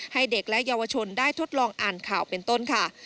ให้เด็กและเยาวชนได้ทดลองอ่านข่าวเป็นต้นค่ะ